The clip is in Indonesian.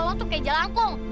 lo tuh kayak jelangkung